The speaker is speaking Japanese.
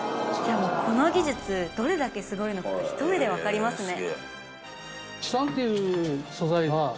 この技術どれだけすごいのかひと目でわかりますね。